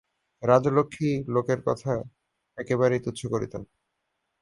রাজলক্ষ্মী লোকের কথা একেবারেই তুচ্ছ করিতেন।